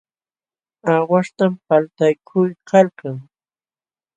Aawaśhtam paltaykuykalkan.